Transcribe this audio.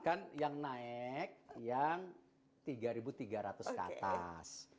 kan yang naik yang rp tiga tiga ratus ke atas